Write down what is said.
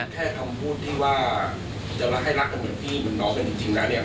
แค่คำพูดที่ว่าจะให้รักกันเหมือนพี่เหมือนน้องเป็นจริงนะ